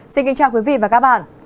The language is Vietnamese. xin kính chào quý vị và các bạn